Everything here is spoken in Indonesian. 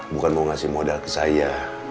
bukan mau ngasih modal ke saya